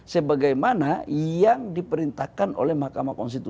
sebagai mana yang diperintahkan oleh mk